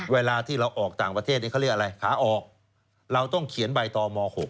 เวลาที่เราออกต่างประเทศนี้เขาเรียกอะไรขาออกเราต้องเขียนใบต่อม๖